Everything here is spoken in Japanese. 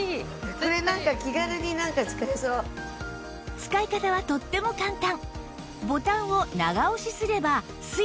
使い方はとっても簡単